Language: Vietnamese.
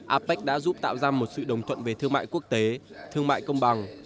apec đã giúp tạo ra một sự đồng thuận về thương mại quốc tế thương mại công bằng